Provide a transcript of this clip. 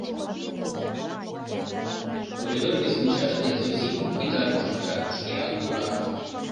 Коридор вес мучаште Зосим гитарым шокта, шкеак мура.